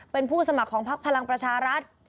เป็นผู้สมัครของพักพลังประชารัฐ